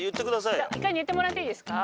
一回寝てもらっていいですか。